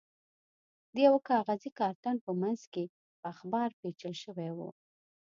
د یوه کاغذي کارتن په منځ کې په اخبار کې پېچل شوی و.